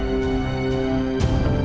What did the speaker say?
ibu dimana bu